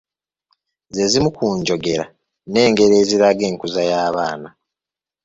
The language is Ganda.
Ze zimu ku njogera n’engero eziraga enkuza y’abaana.